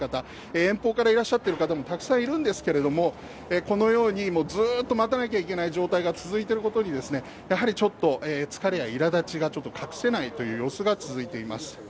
遠方からいらっしゃってる方もたくさんいるんですけれどもこのようにずっと待たなきゃいけない状態が続いていることに、やはりちょっと疲れや苛立ちが隠せないという様子が続いています。